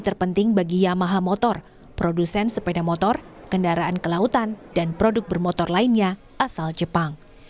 terpenting bagi yamaha motor produsen sepeda motor kendaraan kelautan dan produk bermotor lainnya asal jepang